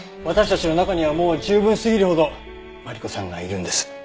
私たちの中にはもう十分すぎるほどマリコさんがいるんです。